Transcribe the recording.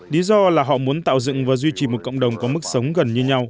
lý do là họ muốn tạo dựng và duy trì một cộng đồng có mức sống gần như nhau